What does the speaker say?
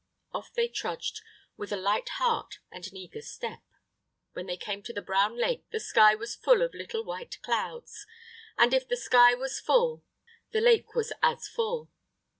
Off they trudged, with a light heart and an eager step. When they came to the Brown Lake the sky was full of little white clouds, and, if the sky was full, the lake was as full.